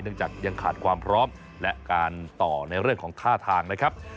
จากยังขาดความพร้อมและการต่อในเรื่องของท่าทางนะครับ